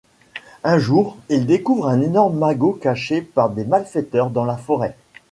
Un jour, il découvre un énorme magot caché par des malfaiteurs dans la forêt.